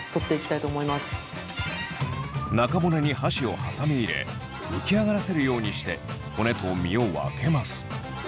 中骨に箸を挟み入れ浮き上がらせるようにして骨と身を分けます。